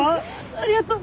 ありがとう！